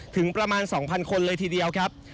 ถึงประมาณ๒๐๐คนเลยทีเดียวครับ